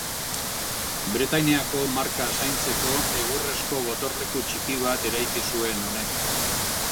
Bretainiako marka zaintzeko egurrezko gotorleku txiki bat eraiki zuen honek.